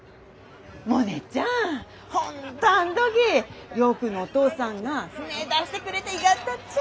モネちゃん本当あん時亮君のお父さんが船出してくれでいがったっちゃ。